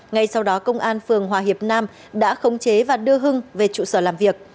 ngay sau đó công an phường hòa hiệp nam đã khống chế và đưa hưng về trụ sở làm việc